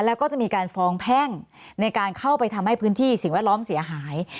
แล้วก็จะมีการฟ้องแพ่งในการเข้าไปทำให้พื้นที่สิ่งแวดล้อมเสียหาย